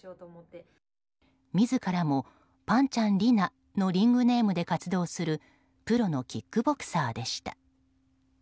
自らも、ぱんちゃん璃奈のリングネームで活動するプロのキックボクサーでした。